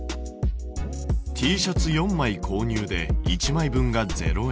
Ｔシャツ４枚購入で１枚分が０円。